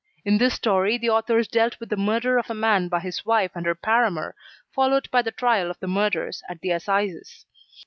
In this story the authors dealt with the murder of a man by his wife and her paramour, followed by the trial of the murderers at the assizes.